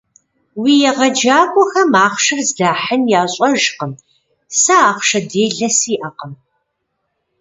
Уи егъэджакӀуэхэм ахъшэр зыдахьын ящӀэжкъым, сэ ахъшэ делэ сиӀэкъым.